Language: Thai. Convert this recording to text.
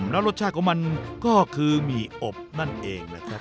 แล้วรสชาติของมันก็คือหมี่อบนั่นเองนะครับ